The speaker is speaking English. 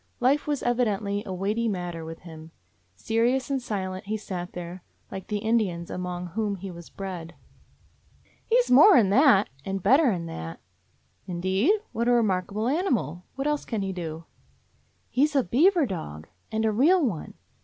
Life was evi dently a weighty matter with him. Serious and silent he sat there, like the Indians among whom he was bred. "He 's more 'n that, and better 'n that." "Indeed? What a remarkable animal! What else can he do?" "He 's a beaver dog; and a real one.